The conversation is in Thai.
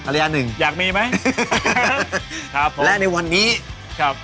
ระยะหนึ่งอยากมีไหมครับผมและในวันนี้ครับ